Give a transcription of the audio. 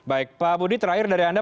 baik pak budi terakhir dari anda